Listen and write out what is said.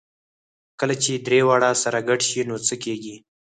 کله چې درې واړه سره ګډ شي نو څه کېږي؟